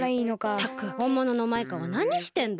ったくほんもののマイカはなにしてんだ？